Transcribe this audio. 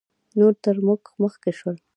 نور تر موږ مخکې شول